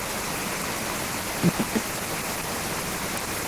Yachayqa ancha chaniyuqmi runapa.